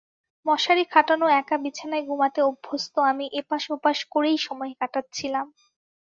মশারি খাটানো একা বিছানায় ঘুমাতে অভ্যস্ত আমি এপাশ-ওপাশ করেই সময় কাটাচ্ছিলাম।